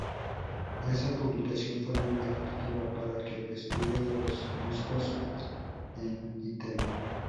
Esa publicación fue muy efectiva para que el estudio de los musgos en Italia.